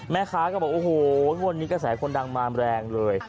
แม่ค้าก็บอกโอ้โหงวดนี้กระแสคนดังมาแรงเลย